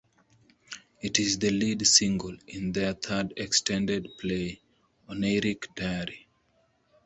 It is the lead single in their third extended play "Oneiric Diary".